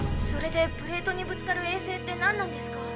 それで「プレートにぶつかる衛星」って何なんですか？